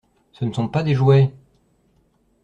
Ce ne sont pas des jouets!